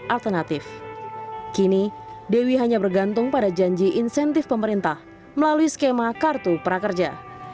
alternatif kini dewi hanya bergantung pada janji insentif pemerintah melalui skema kartu prakerja